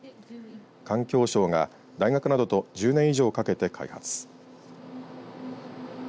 環境省が大学などと１０年以上かけて開発。